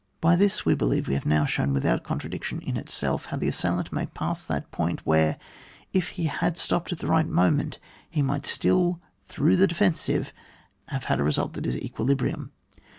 By this, we believe, we have Bow afaowDf without contradiction in itaelf, how the assailant may pass that point, where, if he had stopped at the right moment, he might still, through the defensive, have had a result, that ia equilibrium.